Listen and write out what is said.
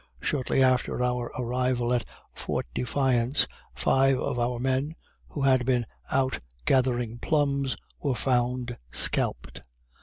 Shortly after our arrival at Fort Defiance, five of our men, who had been out gathering plums, were found scalped.